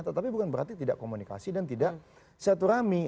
tetapi bukan berarti tidak komunikasi dan tidak selaturahmi